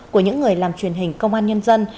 của những người làm truyền hình công an nhân dân